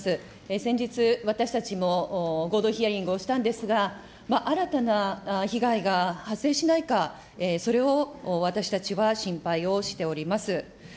先日、私たちも合同ヒアリングをしたんですが、新たな被害が発生しないか、それを私たちは心配をしております。